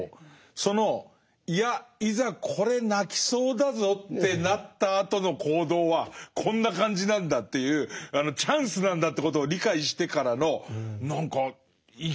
そのいやいざこれ鳴きそうだぞってなったあとの行動はこんな感じなんだっていうチャンスなんだということを理解してからの何か生き生きとしたっていうか。